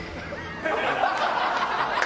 ハハハハ！